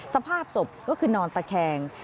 สภาพศพก็คือนอนตะแคง